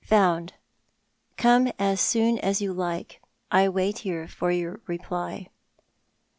" Found. Come as soon as you like. I wait here for your reply.